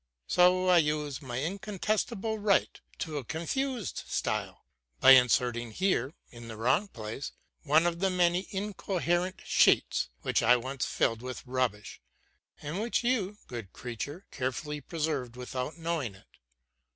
So I use my incontestable right to a confused style by inserting here, in the wrong place, one of the many incoherent sheets which I once filled with rubbish, and which you, good creature, carefully preserved without my knowing it.